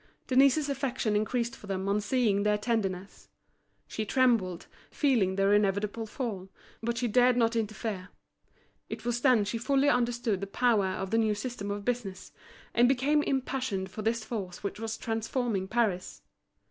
Denise's affection increased for them on seeing their tenderness. She trembled, feeling their inevitable fall; but she dared not interfere. It was then she fully understood the power of the new system of business, and became impassioned for this force which was transforming Paris.